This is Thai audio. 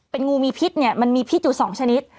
เป็นงูมีพิษเนี่ยมันมีพิษอยู่๒ชนิด